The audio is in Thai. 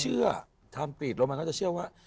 เขาเชื่อทำปีดลงมาเขาจะเชื่อว่า